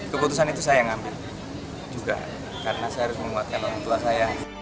keputusan itu saya yang ambil juga karena saya harus menguatkan